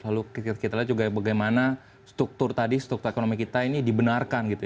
lalu kita lihat juga bagaimana struktur tadi struktur ekonomi kita ini dibenarkan gitu ya